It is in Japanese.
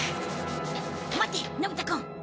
待ってのび太くん。